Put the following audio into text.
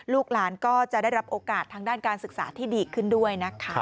ลูกหลานก็จะได้รับโอกาสทางด้านการศึกษาที่ดีขึ้นด้วยนะคะ